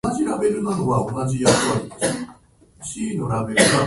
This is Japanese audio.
マクドナルドとロッテリア